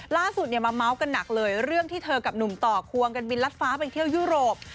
ล่าสุดเนี่ยมาเมาส์กันหนักเลยเรื่องที่เธอกับหนุ่มต่อควงกันบินลัดฟ้าไปเที่ยวยุโรป